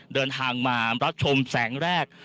เดินทางมารับชมแสงแรก